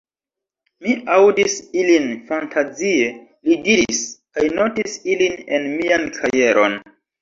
Mi aŭdis ilin fantazie, li diris, kaj notis ilin en mian kajeron.